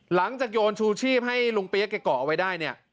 หลังจากโยนชูชีพให้ลุงเปี๊ยกและเกาะไว้ได้เนี่ย